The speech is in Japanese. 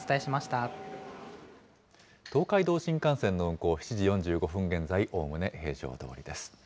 東海道新幹線の運行、７時４５分現在、おおむね平常どおりです。